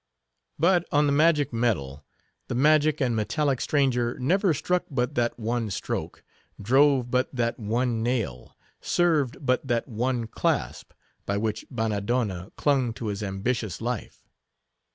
But on the magic metal, the magic and metallic stranger never struck but that one stroke, drove but that one nail, served but that one clasp, by which Bannadonna clung to his ambitious life.